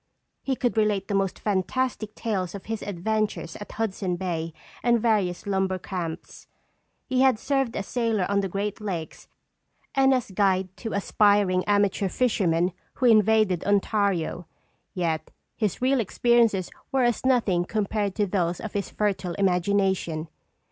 He could relate the most fantastic tales of his adventures at Hudson Bay and various lumber camps. He had served as sailor on the Great Lakes and as guide to aspiring amateur fishermen who invaded Ontario, yet his real experiences were as nothing compared to those of his fertile imagination.